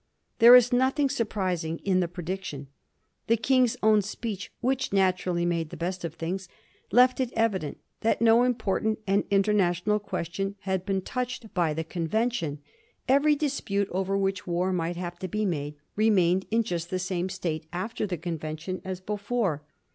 There is nothing surprising in the pre diction. The King's own speech, which naturally made the best of things, left it evident that no important and international question had been touched by the conven 1739. PETITION AGAINST THE CONVENTION. 163 tion. Every dispute over which war might have to be made remained in just the same state after the conven tion as before.